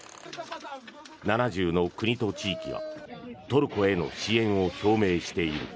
７０の国と地域がトルコへの支援を表明している。